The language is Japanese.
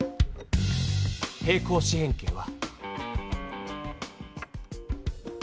平行四辺形は。